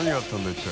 一体。